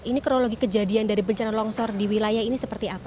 ini kronologi kejadian dari bencana longsor di wilayah ini seperti apa